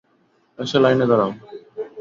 এসে লাইনে দাঁড়াও।